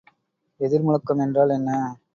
எதிர்முழக்கம் என்றால் என்ன?